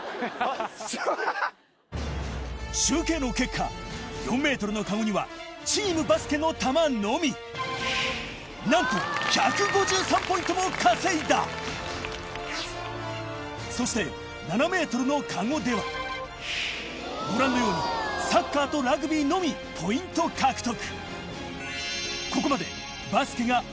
集計の結果４ｍのカゴにはチームバスケの玉のみなんと１５３ポイントも稼いだそして７ｍのカゴではご覧のようにサッカーとラグビーのみポイント獲得